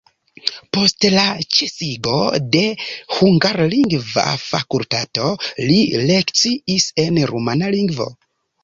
Post la ĉesigo de hungarlingva fakultato li lekciis en rumana lingvo.